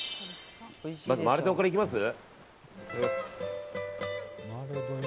まず、マーレー丼からいきます。